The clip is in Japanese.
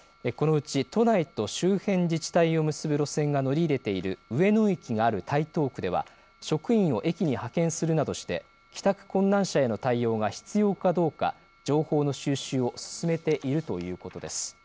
このうち都内と周辺自治体を結ぶ路線が乗り入れている上野駅がある台東区では職員を駅に派遣するなどして帰宅困難者への対応が必要かどうか情報の収集を進めているということです。